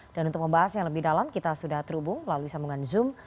dan untuk membahas yang lebih dalam kita sudah terhubung lalu sambungan zoom